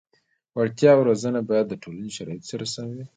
وړتیا او روزنه باید د ټولنې شرایطو سره سم وي.